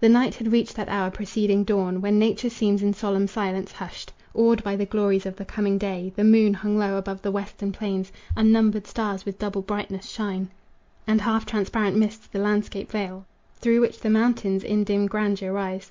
The night had reached that hour preceding dawn When nature seems in solemn silence hushed, Awed by the glories of the coming day. The moon hung low above the western plains; Unnumbered stars with double brightness shine, And half transparent mists the landscape veil, Through which the mountains in dim grandeur rise.